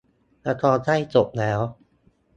ละครใกล้จบแล้ว